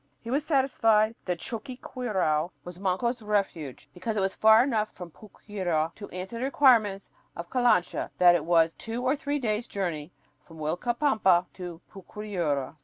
He was satisfied that Choqquequirau was Manco's refuge because it was far enough from Pucyura to answer the requirements of Calancha that it was "two or three days' journey" from Uilcapampa to Puquiura.